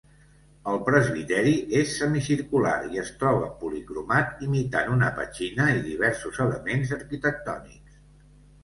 El presbiteri és semicircular i es troba policromat, imitant una petxina i diversos elements arquitectònics.